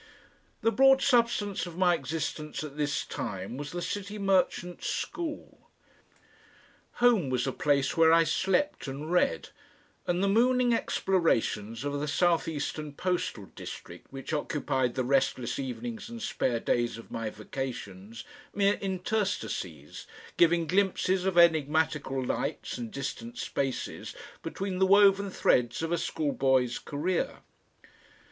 The broad substance of my existence at this time was the City Merchants School. Home was a place where I slept and read, and the mooning explorations of the south eastern postal district which occupied the restless evenings and spare days of my vacations mere interstices, giving glimpses of enigmatical lights and distant spaces between the woven threads of a school boy's career.